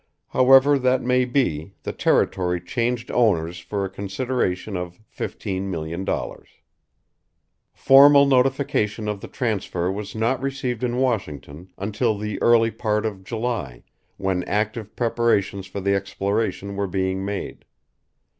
However that may be, the territory changed owners for a consideration of $15,000,000. Formal notification of the transfer was not received in Washington until the early part of July, when active preparations for the exploration were being made.